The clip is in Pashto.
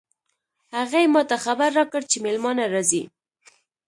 هغې ما ته خبر راکړ چې مېلمانه راځي